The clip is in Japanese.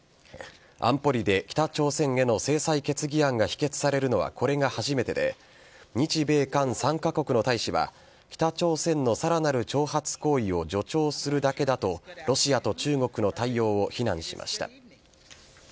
安保理で北朝鮮への制裁決議案が否決されるのはこれが初めてで日米韓３カ国の大使は北朝鮮のさらなる挑発行為を助長するだけだとロシアと中国の対応を非難しました。